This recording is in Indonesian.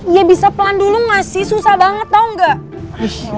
iya bisa pelan dulu gak sih susah banget tau gak